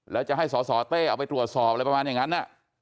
แล้วจะให้สสเต้เอาไปตรวจสอบอะไรประมาณอย่างนั้น